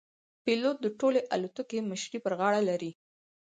پیلوټ د ټولې الوتکې مشري پر غاړه لري.